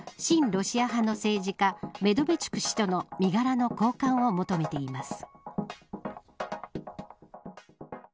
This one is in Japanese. ロシア派の政治家メドベチュク氏との身柄の交換を求めています。